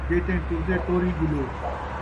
جے تئیں ٹردے ٹوری ڄلو